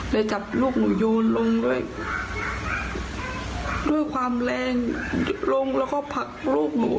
จับลูกหนูโยนลงด้วยความแรงลงแล้วก็ผลักลูกหนู